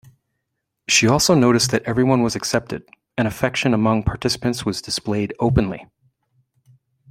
She also noticed that everyone was accepted, and affection among participants was displayed openly.